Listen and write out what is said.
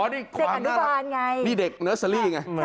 อ๋อนี่ขวานน่ารักนี่เด็กเนอร์เซอรี่ไง